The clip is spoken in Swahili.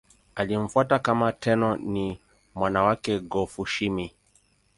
Aliyemfuata kama Tenno ni mwana wake Go-Fushimi.